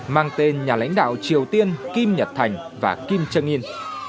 mang tên nhà lãnh đạo triều tiên kim nhật thành và kim trần yên